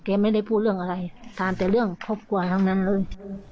ไม่ได้พูดเรื่องอะไรถามแต่เรื่องครอบครัวทั้งนั้นเลย